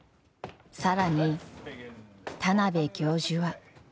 更に田邊教授は。